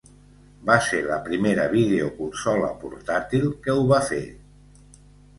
Va ser la primera videoconsola portàtil que ho va fer.